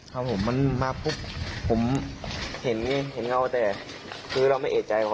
ครับผมมันมาพรุ่งผมเห็นเขาว่าแต่คือเราไม่เอกใจ